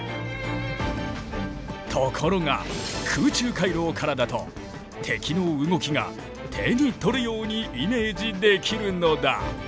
ところが空中回廊からだと敵の動きが手に取るようにイメージできるのだ。